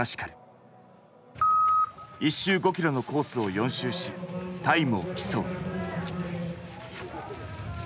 １周５キロのコースを４周しタイムを競う。